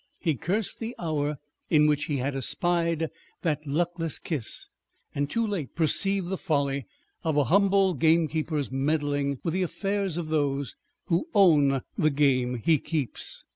He cursed the hour in which he had espied that luckless kiss, and too late perceived the folly of a humble gamekeeper's meddling with the affairs of those who own the game he keeps.